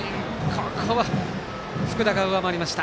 ここは福田が上回りました。